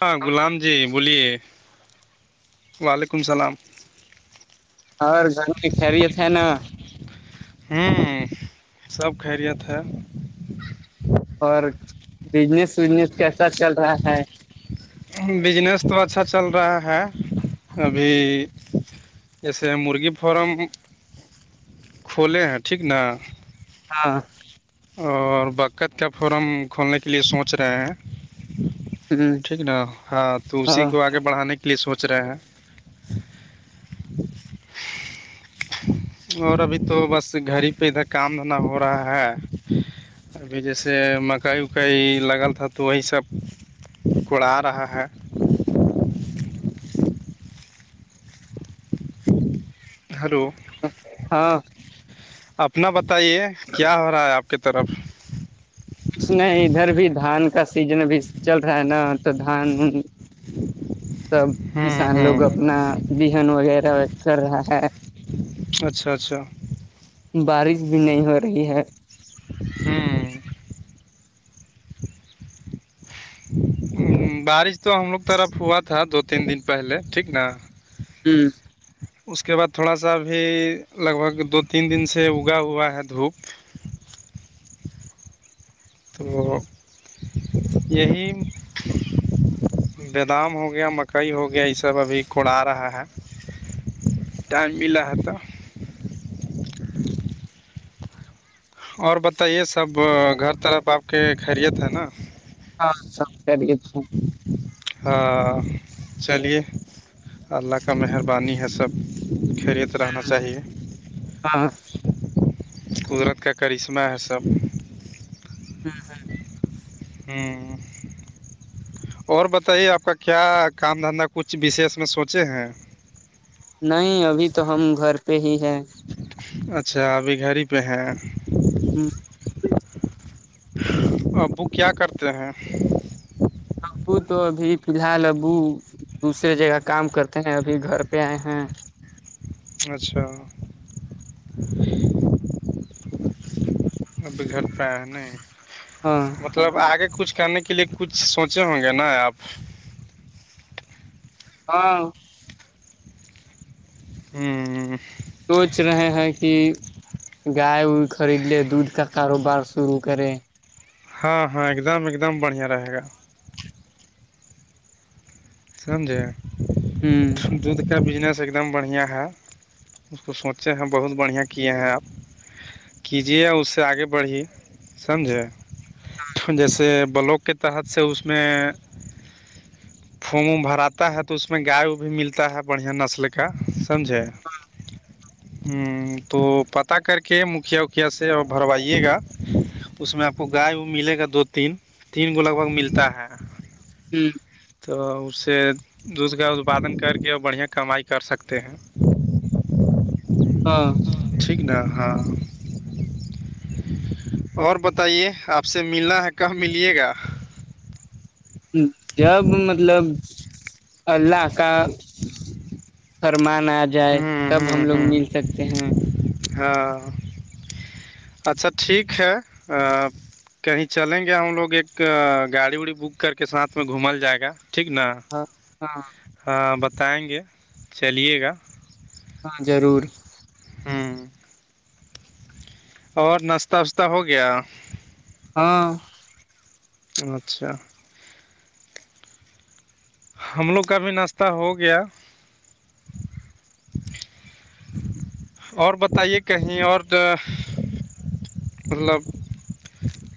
ہاں غلام جی بولیے وعلیکم اسلام اور گھر کی خیریت ہے نا ہوں سب خیریت ہے اور بجنس وزنس کیسا چل رہا ہے بجنس تو اچھا چل رہا ہے ابھی جیسے مرغی فارم کھولے ہیں ٹھیک نا ہاں اور بکت کا فورم کھولنے کے لیے سوچ رہے ہیں ہ ٹھیک نا ہاں تو اسی ہاں کو آج آگے بڑھانے کے لیے سوچ رہے ہیں [inaudible] اور ابھی تو بس گھر ہی پہ ادھر کام داندا ہو رہا ہے ابھی جیسے مکئی وکائی لگا تھا تو وہی سب کوڑا رہا ہے ہلو ہاں نا بتائیے کیا ہو رہا ہے آپ کی طرف کچھ نہیں ادھر بھی دھان کا سیزن اب چل رہا ہے نا تو دھان [unintelligible] سب ہوں کسان لوگ ہوں اپنا بہن وغیرہ کر رہا ہے اچھا اچھا بارش بھی نہیں ہو رہی ہے ہاں بارش تو ہم لوگ طرف ہوا تھا دو تین دن پہلے ٹھیک نا ہوں اس کے بعد تھوڑا سا بھی لگ بھگ دو تین دن سے اگا ہوا ہے دھوپ تو یہی دھان ہو گیا مکئی ہو گیا یہ سب ابھی کوڑا رہا ہے ٹائم ملا ہے تو اور بتائیے سب گھر طرف آپ کے خیریت ہے نا ہاں سب خیریت سے ہیں ہاں چلیے اللہ کا مہربانی ہے سب خیریت رہنا چاہیے ہاں قدرت کا کرشمہ ہے سب ہاں ہاں ہوں اور بتائیے آپ کا کیا کام دھندا کچھ وشیس میں سوچے ہیں نہیں ابھی تو ہم گھر پہ ہی ہیں اچھا ابھی گھر ہی پہ ہیں ہوں ابو کیا کرتے ہیں ابو تو ابھی فی الحال ابو دوسریے جگہ کام کرتے ہیں ابھی گھر پہ آئے ہیں اچھا ا بھی گھر پر ہے نے نہیں ہاں مطلب آگے کچھ کرنے کے لیے کچھ سوچے ہوں گے نا آپ ہاں ہاں سوچ رہے ہیں کہ گائے وائے خرید لے دودھ کا کاروبار شروع کرے ہاں ہاں ایک دم ایک دم بڑھیا رہے گا سمجھے ہوں دودھ کا بجنس ایک دم بڑھیا ہے اس کو سوچے ہیں بہت بڑھیا کیے ہیں آب کیجیے اس سے آگے بڑھیں سمجھے جیسے بلاک کے تحت سے اس میں پھوم ووم بھراتا ہے تو اس میں گائے بھی ملتا ہے بڑھیا نسل کا سمجھے ہوں تو پتاہ کر کے مکھیا وکھیا سے اور بھروائیے گا اس میں آپ کو گائے بھی ملے گا دو تین تین لگ بھگ ملتا ہے ہوں تو اس سے دودھ کا اتپادن کر کے بڑھیا کمائی کر سکتے ہیں ہاں ٹھیک نا ہاں اور بتائیے آپ سے ملنا ہے کہاں ملیے گا جب مطلب اللہ کا فرمان آ جائے ہوں تب ہم ہوں لوگ ہوں مل سکتے ہیں ہاں اچھا ٹھیک ہے کہیں چلیں گے ہم لوگ ایک گاڑی وڑی بک کر کے ساتھ میں گھومل جائے گا ٹھیک نا ہاں ہاں ہاں بتائیں گے چلیے گا ہاں ضرور ہوں اور ناشہ واشہ ہو گیا ہاں اچھا ہم لوگ کا بھی ناشتہ ہو گیا اور بتائیے کہیں اور مطلب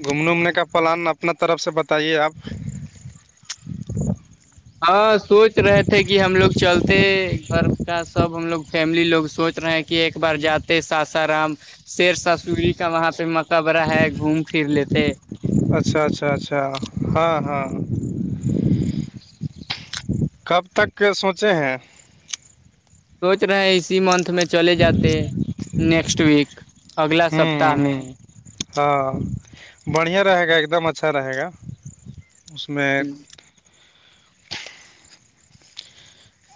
گھومنے وومنے کا پلان اپنا طرف سے بتائیے آپ ہاں سوچ رہے تھے کہ ہم لوگ چلتے گھر کا سب ہم لوگ فیملی لوگ سوچ رہے ہیں کہ ایک بار جاتے ساسارام شیر سسوری کا وہاں پہ مقبرہ ہے گھوم پھر لیتے اچھا اچھا اچھا ہاں ہاں کب تک کے سوچے ہیں سوچ رہے ہیں اسی منتھ میں چلے جاتے نیکسٹ ویک اگلا ہوں سپتاہ میں ہوں ہاں بڑھیا رہے گا ایک دم اچھا رہے گا اس میں ہ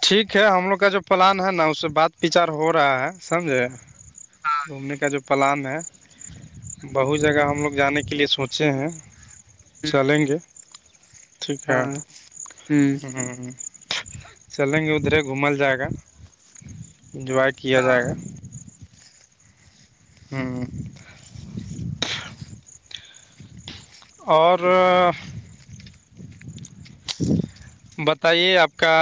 ٹھیک ہے ہم لوگ کا جو پلان ہے نا اس سے بات وچار ہو رہا ہے سمجھے گھومنے کا جو پلان ہے بہو جگہ ہم لوگ جانے کے لیے سوچے ہیں ہ چلیں گے ٹھیک ہے ہاں ہ ہوں چلیں گے ادھرے گھومل جائے گا انجوائے کیا ہاں جائے گا ہوں اور بتائیے آپ کا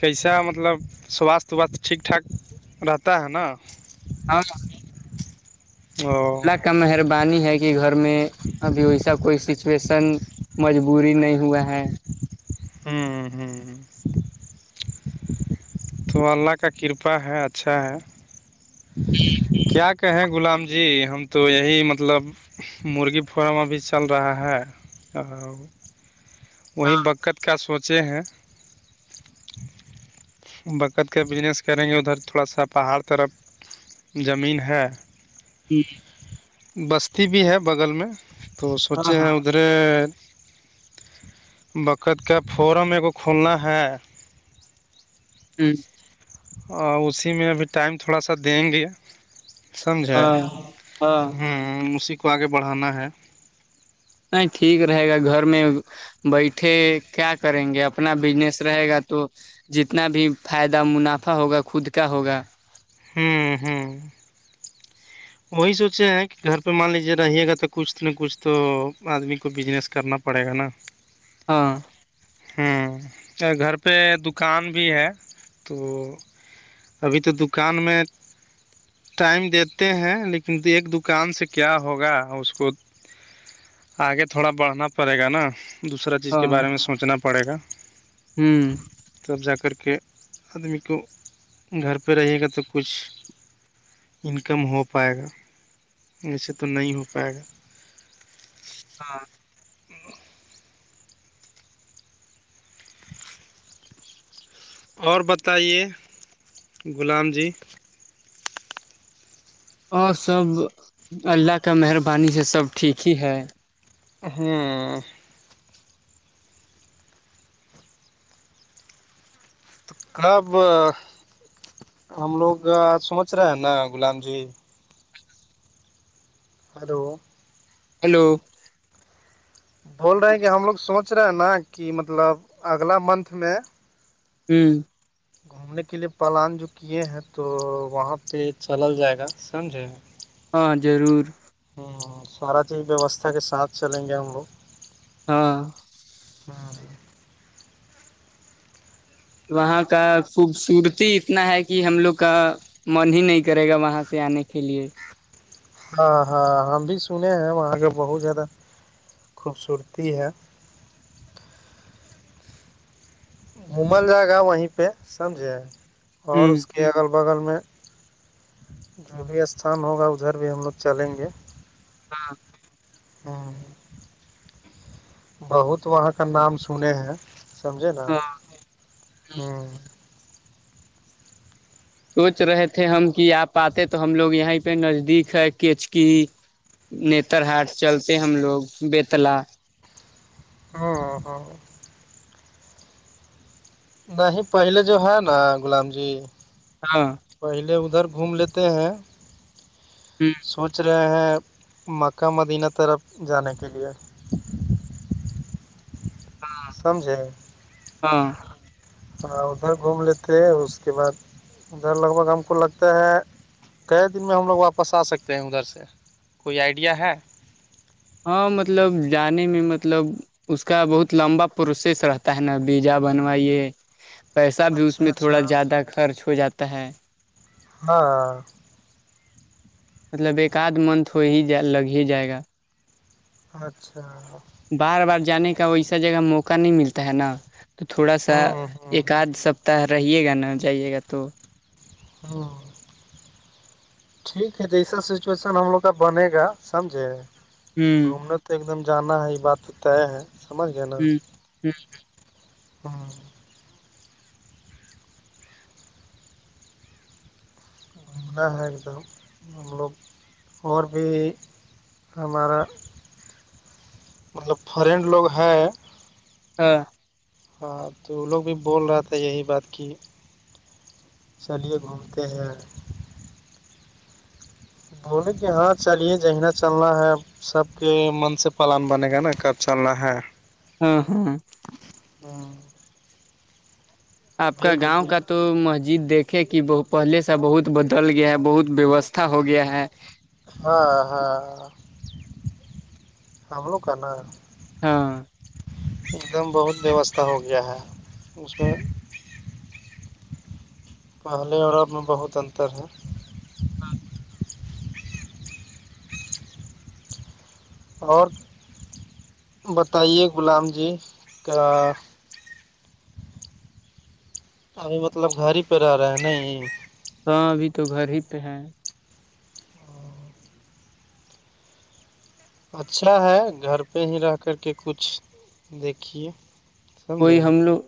کیسا مطلب سواستھ وواستھ ٹھیک ٹھاک رہتا ہے نا ہاں او اللہ کا مہربانی ہے کہ گھر میں ابھی ویسا کوئی سچویشن مجبوری نہیں ہوا ہے ہوں ہوں تو اللہ کا کرپا ہے اچھا ہے کیا کہیں غلام جی ہم تو یہی مطلب مرغی فارم ابھی چل رہا ہے اور وہیں ہاں بقت کا سوچے ہیں [inaudible] زمین ہے جی بستی بھی ہے بغل میں تو سوچے ہاں ہیں ادھرے بکت کا فورم میرے کو کھولنا ہے جی اور اسی میں ابھی ٹائم تھوڑا سا دیں گے سمجھ ہے ہاں ہاں ہ اسی کو آگے بڑھانا ہے نہیں ٹھیک رہے گا گھر میں بیٹھے کیا کریں گے اپنا بزنس رہے گا تو جتنا بھی فائدہ منافع ہوگا خود کا ہوگا ہوں ہوں وہی سوچے ہیں کہ گھر پہ مان لیجیے رہیے گا تو کچھ نہ کچھ تو آدمی کو بزنس کرنا پڑے گا نا ہاں ہوں گھر پہ دکان بھی ہے تو ابھی تو دکان میں ٹائم د ہیں لیکن ایک دکان سے کیا ہوگا اس کو آگے تھوڑا بڑھنا پڑے گا نا دوسرا چیز کے ہاں بارے میں سوچنا پڑے گا ہ تب جا کر کے آدمی کو گھر پہ رہے گا تو کچھ کم ہو پائے گا ویسے تو نہیں ہو پائے گا ہاں اور بتائیے غلام جی اور سب اللہ کا مہربانی سے سب ٹھیک ہی ہے ہاں تو کناب ہم لوگ آ سمجھ رہے ہیں نا غلام جی [inaudible] ہیلو بول رہے ہیں کہ ہم لوگ سوچ رہے ہیں نا کہ مطلب اگلا منتھ میں ہوں گھومنے کے لیے پلان جو کیے ہیں تو وہاں پہ چلال جائے گا سمجھے ہاں ضرور ہوں سارا چیز ویوستھا کے ساتھ چلیں گے ہم لوگ ہاں مار وہاں کا خوبصورتی اتنا ہے کہ ہم لوگ کا من ہی نہیں کرے گا وہاں سے آنے کے لیے ہاں ہاں ہم بھی سنے ہیں وہاں کے بہت زیادہ خوبصورتی ہے ممل جائے گا وہیں پہ سمجھے اور ہ اس کے کہ اگل بغل میں جو بھی استھان ہوگا ادھر بھی ہم لوگ چلیں گے ہاں ہاں بہت وہاں کا نام سنے ہے سمجھے نا ہاں ہوں سوچ رہے تھے ہم کہ آپ آتے تو ہم لوگ یہیں پہ نزدیک ہے کیچ کی نتر ہاٹ چلتے ہم لوگ بیتلا ہاں ہاں نہیں پہلے جو ہے نا غلام جی ہاں پہلے ادھر گھوم لیتے ہیں ہ سوچ رہے رہے ہیں مکہ مدینہ طرف جانے کے لیے ہاں سمجھے ہاں ادھر گھوم لیتے ہیں اس کے بعد ادھر لگ بھگ ہم کو لگتا ہے کئے دن میں ہم لوگ واپس آ سکتے ہیں ادھر سے کوئی آئیڈیا ہے ہاں مطلب جانے میں مطلب اس کا بہت لمبا پروسیس رہتا ہے نا بیجا بنوائیے پیسہ بھی اس اچھا میں اچھا تھوڑا زیادہ خرچ ہو جاتا ہے ہاں مطلب ایک اد منتھ ہو ہی جائے لگ ہی جائے گا اچھا بار بار جانے کا ویسا جگہ موقع نہیں ملتا ہے نا تو تھوڑا سا ہوں ہوں ایک آدھ سا تا رہیے گا نہ جائیے گا تو ہاں ٹھیک ہے جیسا سچویشن ہم لوگ کا بنے گا سمجھے ہوں گھومنا تو ایک دم جانا ہے یہ بات تو طے ہے سمجھ ہوں ہوں ہاں ن ح ایکد [unintelligible] ہم لوگ اور بھی ہمارا مطلب فرینڈ لوگ ہے ہاں ہاں تو وہ لوگ بھی بول رہا تھا یہی بات کہ چلیے گھومتے ہیں بولے کہ ہاں چلیے جہاں چلنا ہے سب کے من سے پلان بنے گا نا کب چلنا ہے ہاں ہاں ہاں آپ کا گاؤں بھی کا تو مسجد دیکھیےکہ ب پہلے سا بہت بدل گیا ہے بہت ویوستھا ہو گیا ہے ہاں ہاں ہم لوگ کا نا ہاں ایک دم بہت ووستھا ہو گیا ہے اس میں پہلے اور اب میں بہت انتر ہے ہاں اور بتائیے غلام جی کا ابھی مطلب گھر ہی پر رہ رہے ہیں نا یہیں ہاں ابھی تو گھر ہی پہ ہیں اچھا ہے گھر پہ ہی رہ کر کے کچھ دیکھیے کوئی سمجھے ہم لوگ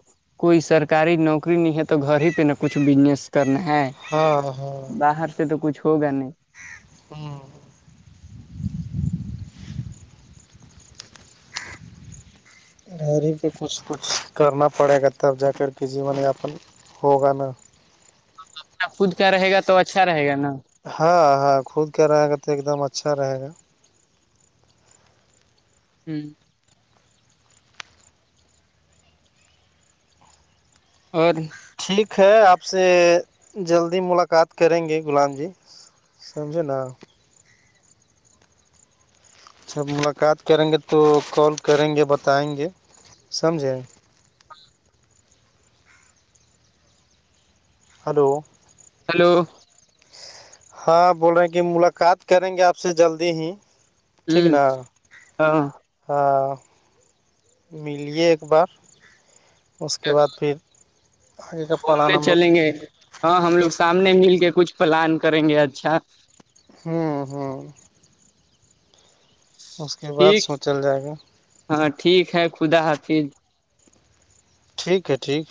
کوئی سرکاری نوکری نہیں ہے تو گھر ہی پہ نا کچھ بجنس کرنا ہے ہاں ہاں باہر سے تو کچھ ہوگا نہیں ہاں رہ رہ کے کچھ کچھ کرنا پڑے گا تب جا کر کے جیون یا اپن ہوگا نا اپنا خود کا رہے گا تو اچھا رہے گا نا ہاں ہاں خود کیا رہے گا تو ایک دم اچھا رہے گا ہوں اور ٹھیک ہے آپ سے جلدی ملاقات کریں گے غلام جی سمجھے نا جب ملاقات کریں گے تو کال کریں گے بتائیں گے سمجھیں ہلو ہیلو ہاں بول رہے ہیں کہ ملاقات کریں گے آپ سے جلدی ہی ٹھیک ہوں نا ہاں ہاں ملیے ایک بار اس کے بعد پھر آگے کا پلان گھومنے ہم لوگ چلیں گے ہاں ہم لوگ سامنے مل کے کچھ پلان کریں گے اچھا ہاں ہاں اس کے بعد ٹھیک سوچل جائے گا ہاں ٹھیک ہے خدا حافظ ٹھیک ہے ٹھیک ہے